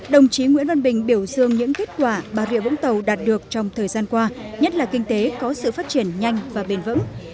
đồng chí nguyễn văn bình biểu dương những kết quả bà rịa vũng tàu đạt được trong thời gian qua nhất là kinh tế có sự phát triển nhanh và bền vững